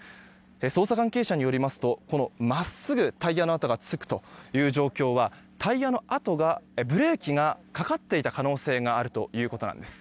捜査関係者によりますとこの真っすぐタイヤの跡がつくという状況はブレーキがかかっていた可能性があるということです。